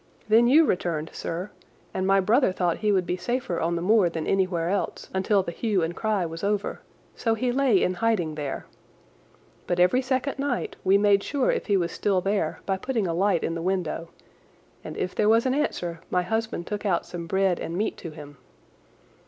Then you returned, sir, and my brother thought he would be safer on the moor than anywhere else until the hue and cry was over, so he lay in hiding there. But every second night we made sure if he was still there by putting a light in the window, and if there was an answer my husband took out some bread and meat to him.